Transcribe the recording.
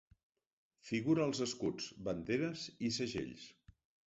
Figura als escuts, banderes i segells.